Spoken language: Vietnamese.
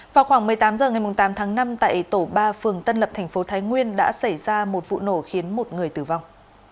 vào khoảng một mươi tám h ngày tám tháng năm tại tổ ba phường tân lập thành phố thái nguyên đã xảy ra một vụ nổ khiến một người tử vong